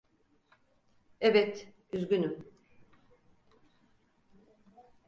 Evet, üzgünüm.